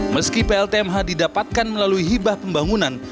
meski pltmh didapatkan melalui hibah pembangunan